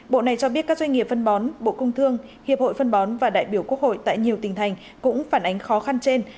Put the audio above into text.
bộ này cho biết các doanh nghiệp phân bón bộ công thương hiệp hội phân bón và đại biểu quốc hội tại nhiều tỉnh thành cũng phản ánh khó khăn trên